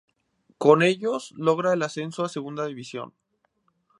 Con ellos logra el ascenso a Segunda División.